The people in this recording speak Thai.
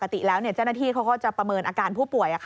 ปกติแล้วเจ้าหน้าที่เขาก็จะประเมินอาการผู้ป่วย